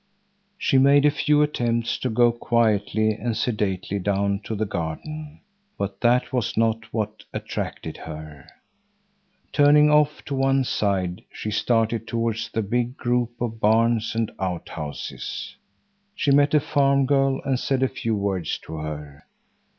She made a few attempts to go quietly and sedately down to the garden, but that was not what attracted her. Turning off to one side, she started towards the big groups of barns and out houses. She met a farm girl and said a few words to her.